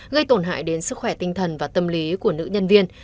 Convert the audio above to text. gây tổn hại đến sức khỏe tinh thần và tâm lý của nữ nhân viên